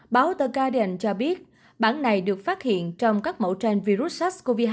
báo the guardian cho biết bản này được phát hiện trong các mẫu trang virus sars cov hai